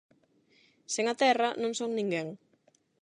Sen a terra non son ninguén.